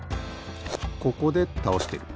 ここでたおしてる。